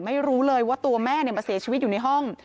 ไม่รู้เลยว่าตัวแม่มาเสียชีวิตอยู่ในห้อง